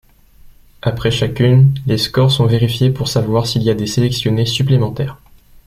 Après chacune, les scores sont vérifiés pour savoir s'il y a des sélectionnés supplémentaires.